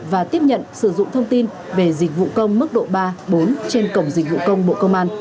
và tiếp nhận sử dụng thông tin về dịch vụ công mức độ ba bốn trên cổng dịch vụ công bộ công an